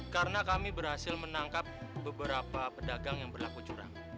karena kami berhasil menangkap beberapa pedagang yang berlaku curang